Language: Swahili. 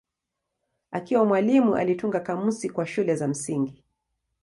Akiwa mwalimu alitunga kamusi kwa shule za msingi.